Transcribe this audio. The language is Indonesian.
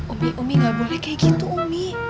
umi umi gak boleh kaya gitu umi